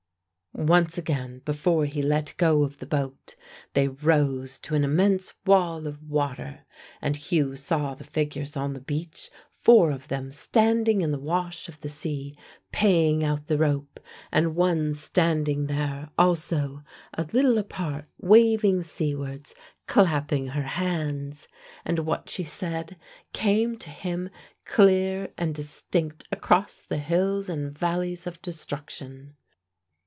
Once again, before he let go of the boat, they rose to an immense wall of water, and Hugh saw the figures on the beach, four of them standing in the wash of the sea, paying out the rope, and one standing there also a little apart waving seawards, clapping her hands. And what she said came to him clear and distinct across the hills and valleys of destruction.